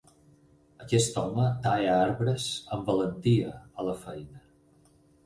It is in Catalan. Aquest home talla arbres amb valentia a la feina.